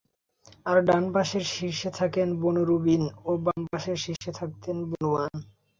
আর ডানপাশের শীর্ষে থাকতেন বনু রুবীল ও বাম পার্শ্বের শীর্ষে থাকতেন বনুবান।